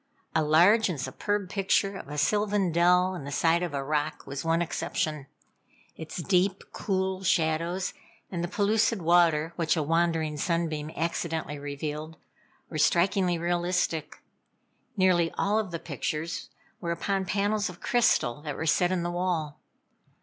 A large and superb picture of a sylvan dell in the side of a rock, was one exception. Its deep, cool shadows, and the pellucid water, which a wandering sunbeam accidentally revealed, were strikingly realistic. Nearly all of the pictures were upon panels of crystal that were set in the wall.